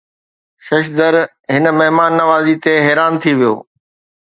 ششدر هن مهمان نوازي تي حيران ٿي ويو